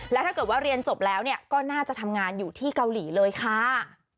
แล้วถ้าเกิดว่าเรียนจบแล้วก็น่าจะทำงานอยู่ที่เกาหลีเลยค่ะ